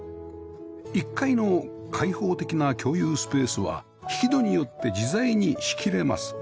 １階の開放的な共有スペースは引き戸によって自在に仕切れます